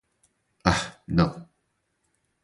Ah não